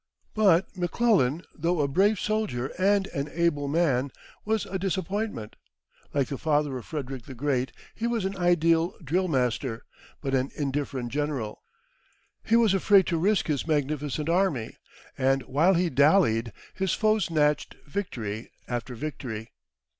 But M'Clellan, though a brave soldier and an able man, was a disappointment. Like the father of Frederick the Great, he was an ideal drill master, but an indifferent general. He was afraid to risk his magnificent army, and while he dallied his foes snatched victory after victory.